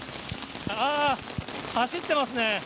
ああ、走ってますね。